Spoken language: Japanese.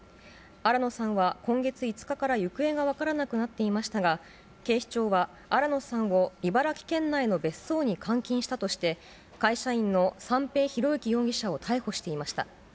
新野さんは今月５日から行方が分からなくなっていましたが、警視庁は、新野さんを茨城県内の別荘に監禁したとして、会社員の三瓶博幸容疑者を逮捕していました。